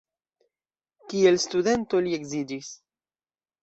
Kiel studento li edziĝis.